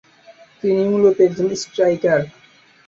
তিনি মূলত একজন স্ট্রাইকার।